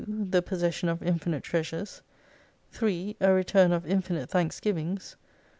The possession of infinite treasures. 3. A return of infinite thanksgivings.